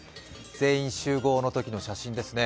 「全員集合」のときの写真ですね。